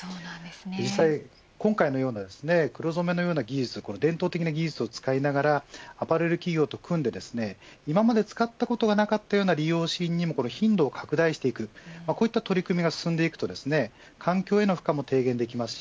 実際に今回のような黒染めのような技術伝統的な技術を使いながらアパレル企業と組んで今まで使ったことがないような衣料品にも頻度を拡大していくこの取り組みが進んでいくと環境への負荷も軽減できます。